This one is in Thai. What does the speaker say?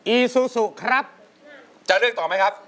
อีซูซูครับจะเลือกต่อไหมครับ